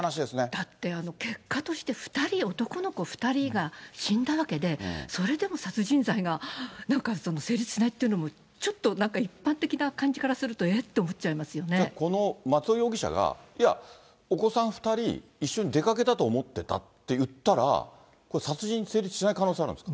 だって、結果として２人、男の子２人が死んだわけで、それでも殺人罪が、なんか成立しないっていうのも、ちょっとなんか一般的な感じからすると、この松尾容疑者が、いや、お子さん２人一緒に出掛けたと思ってたって言ったら、これ、殺人成立しない可能性があるんですか？